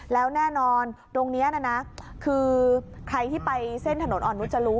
แล้วแน่นอนตรงนี้นะนะคือใครที่ไปเส้นถนนอ่อนนุษย์จะรู้